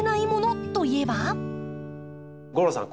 吾郎さん